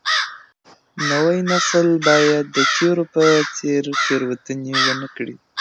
نوی نسل بايد د تېر په څېر تېروتني ونه کړي.